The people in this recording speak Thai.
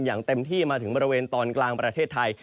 อย่างเต็มที่มาถึงบริเวณตอนกลางประเทศไทย